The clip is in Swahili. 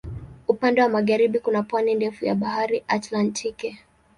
Upande wa magharibi kuna pwani ndefu ya Bahari Atlantiki.